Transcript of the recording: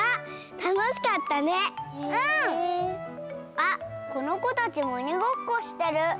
あっこの子たちもおにごっこしてる。